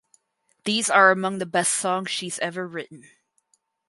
These are among the best songs she’s ever written.